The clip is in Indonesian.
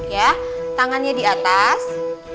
ya tangannya di atas